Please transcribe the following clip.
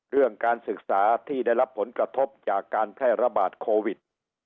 เรื่องการศึกษาที่ได้รับผลกระทบจากการแพร่ระบาดโควิด